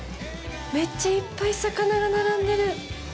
めっちゃいっぱい魚が並んでる。